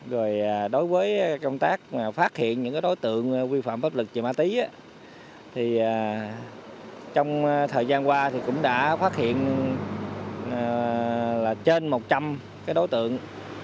rồi đối với công tác phát hiện những đối tượng vi phạm pháp luật về ma túy thì trong thời gian qua thì cũng đã phát hiện là trên một trăm linh đối tượng